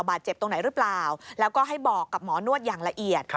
ตรงไหนหรือเปล่าแล้วก็ให้บอกกับหมอนวดอย่างละเอียด